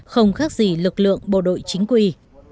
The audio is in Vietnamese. không khác gì lực lượng bộ đội chính quy